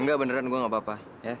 enggak beneran gue gak apa apa